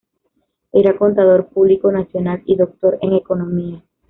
Era contador público nacional y doctor en economía.